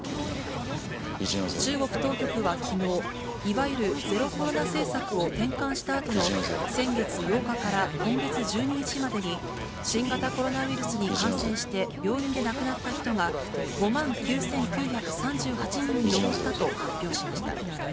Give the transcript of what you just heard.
中国当局はきのう、いわゆるゼロコロナ政策を転換したあとの先月８日から今月１２日までに、新型コロナウイルスに感染して病院で亡くなった人が、５万９９３８人に上ったと発表しました。